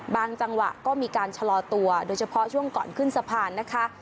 จังหวะก็มีการชะลอตัวโดยเฉพาะช่วงก่อนขึ้นสะพานนะคะ